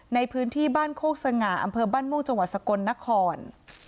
ในพื้นที่บ้านโคกสง่าอำเภอบ้านม่วงจังหวัดสกลนคร